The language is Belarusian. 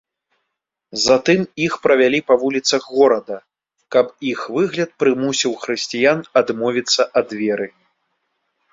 Затым іх правялі па вуліцах горада, каб іх выгляд прымусіў хрысціян адмовіцца ад веры.